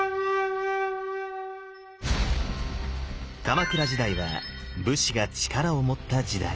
鎌倉時代は武士が力を持った時代。